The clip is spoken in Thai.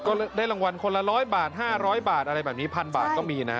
ก็ได้รางวัลคนละ๑๐๐บาท๕๐๐บาทอะไรแบบนี้๑๐๐บาทก็มีนะ